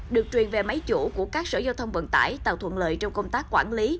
được truyền về máy chủ của các sở giao thông vận tải tạo thuận lợi trong công tác quản lý